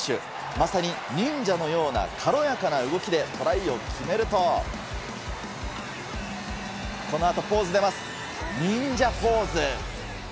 まさに忍者のような軽やかな動きでトライを決めると、このあとポーズ出ます、忍者ポーズ。